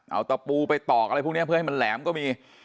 เอาตะปูไปตอกอะไรพวกนี้เพื่อให้มันแหลมก็มี